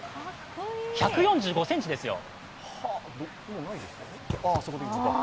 １４５ｃｍですよ。